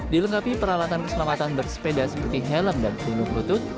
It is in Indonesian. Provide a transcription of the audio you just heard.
dilengkapi peralatan keselamatan bersepeda seperti helm dan pelindung lutut